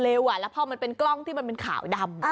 แล้วพอมันเป็นกล้องที่มันเป็นขาวดำ